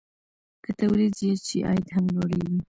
که تولید زیات شي، عاید هم لوړېږي.